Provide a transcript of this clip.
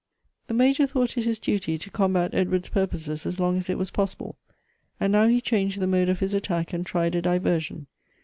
I The Major thought it his duty to combat Edward's I pur]ioses as long as it was possible ; and now he changed the mode of his attack and tried a diversion.